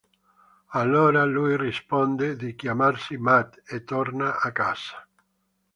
Allora lui risponde di chiamarsi Matt e torna a casa.